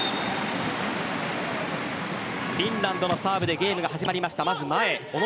フィンランドのサーブでゲームが始まりました。